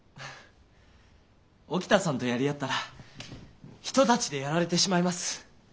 沖田さんとやりあったら一太刀でやられてしまいます。